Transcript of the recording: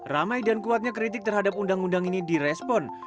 ramai dan kuatnya kritik terhadap undang undang ini direspon